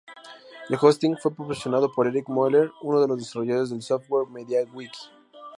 El hosting fue proporcionado por Erik Moeller, uno de los desarrolladores del software MediaWiki.